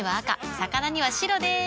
魚には白でーす。